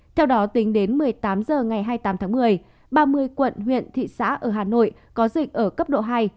theo đó tính đến một mươi tám h ngày hai mươi tám tháng một mươi ba mươi quận huyện thị xã ở hà nội có dịch ở cấp độ hai